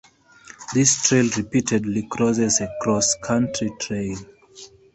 This trail repeatedly crosses a cross-country trail.